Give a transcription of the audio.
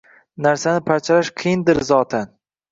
Narsani parchalash qiyindir zotan!